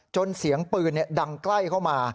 จนเสียงปืนเนี่ยดังใกล้เข้ามา